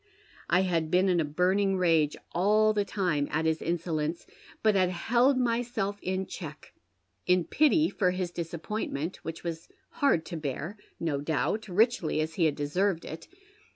I had been in a burning rage all the time at his insolence, but had held myself in check, in pity for his disappointment, which was hard to bear, no doubt, riclJy as he had deserved it.